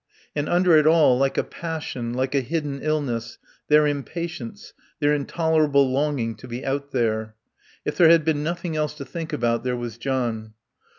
And under it all, like a passion, like a hidden illness, their impatience, their intolerable longing to be out there. If there had been nothing else to think about there was John.